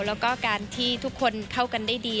แล้วก็การที่ทุกคนเข้ากันได้ดี